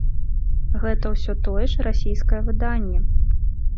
Гэта ўсё тое ж расійскае выданне.